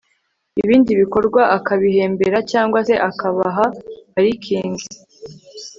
ibindi bikorwa akabihembera cyangwa se akabaha parikingi